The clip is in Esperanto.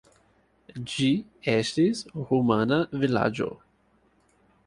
Ĝi estis rumana vilaĝo.